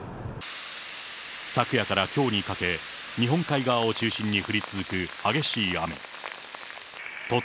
昨夜からきょうにかけ、日本海側を中心に降り続く激しい雨。